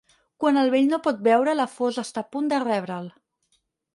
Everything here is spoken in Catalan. Quan el vell no pot beure, la fossa està a punt de rebre'l.